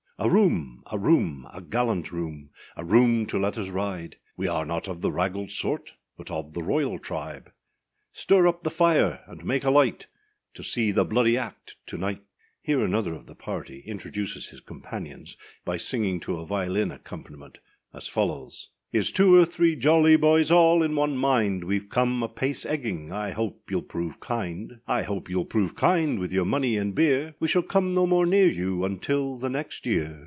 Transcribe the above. A room! a room! a gallant room, A room to let us ride! We are not of the raggald sort, But of the royal tribe: Stir up the fire, and make a light, To see the bloody act to night! Here another of the party introduces his companions by singing to a violin accompaniment, as follows: Hereâs two or three jolly boys, all in one mind; Weâve come a pace egging, I hope youâll prove kind: I hope youâll prove kind with your money and beer, We shall come no more near you until the next year.